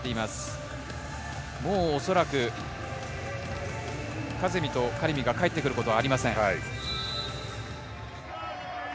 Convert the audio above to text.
もうおそらくカゼミとカリミが帰ってくることはありません。